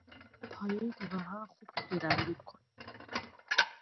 پایهی دیوارها را خوب قیر اندود کن.